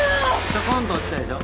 ちょこんと落ちたでしょ。